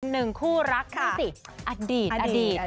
นึงคู่รักอดีตอดีต